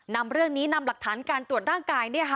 นำเรื่องนี้นำหลักฐานการตรวจร่างกาย